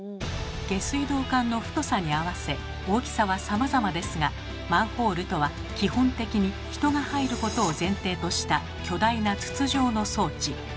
下水道管の太さに合わせ大きさはさまざまですがマンホールとは基本的に人が入ることを前提とした巨大な筒状の装置。